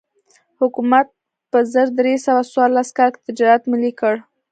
حکومت په زر درې سوه څوارلس کال کې تجارت ملي کړ.